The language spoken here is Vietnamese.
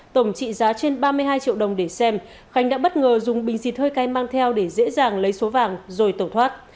tổng trị giá trên ba mươi hai triệu đồng để xem khánh đã bất ngờ dùng bình xịt hơi cay mang theo để dễ dàng lấy số vàng rồi tẩu thoát